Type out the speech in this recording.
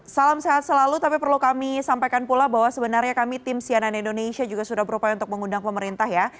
salam sehat selalu tapi perlu kami sampaikan pula bahwa sebenarnya kami tim cnn indonesia juga sudah berupaya untuk mengundang pemerintah ya